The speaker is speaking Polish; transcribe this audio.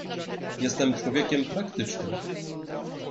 "Jestem człowiekiem praktycznym."